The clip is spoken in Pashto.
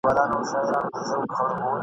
د پوه سړي دوستي زیان نه لري ..